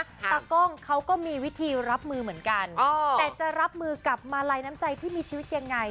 ตากล้องเขาก็มีวิธีรับมือเหมือนกันแต่จะรับมือกับมาลัยน้ำใจที่มีชีวิตยังไง